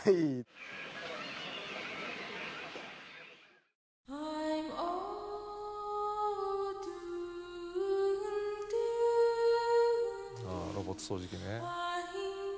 「ああロボット掃除機ね」